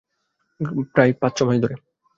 প্রায়, পাঁচ-ছমাস ধরে।